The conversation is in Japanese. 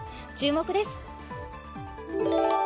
注目です。